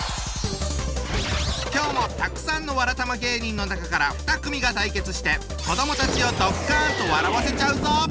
今日もたくさんのわらたま芸人の中から２組が対決して子どもたちをドッカンと笑わせちゃうぞ！